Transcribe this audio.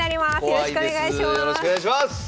よろしくお願いします！